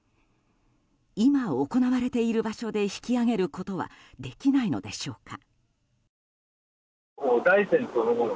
今行われている場所で引き揚げることはできないのでしょうか。